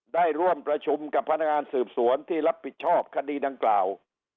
ได้ร่วมประชุมกับพนักงานสืบสวนที่รับผิดชอบคดีดังกล่าว